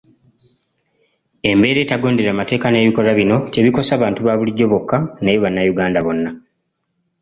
Embeera etagondera mateeka n’ebikolwa bino tebikosa bantu baabulijjo bokka naye Bannayuganda bonna.